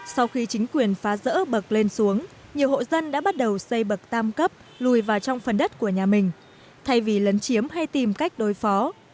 sau khi chính quyền phá rỡ bậc lên xuống nhiều hộ dân đã bắt đầu xây bậc tam cấp lùi vào trong phần đất của nhà mình thay vì lấn chiếm hay tìm cách đối phó